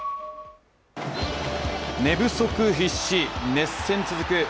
寝不足必至、熱戦続くＦＩＦＡ